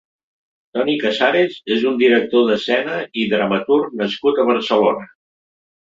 Toni Casares és un director d'escena i dramaturg nascut a Barcelona.